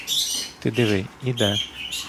Ти диви — іде!